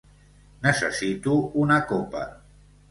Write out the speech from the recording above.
Necessito una copa.